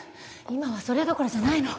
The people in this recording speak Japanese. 今はそれどころじゃないの。